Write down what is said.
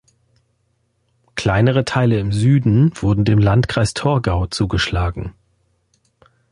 Kleinere Teile im Süden wurden dem Landkreis Torgau zugeschlagen.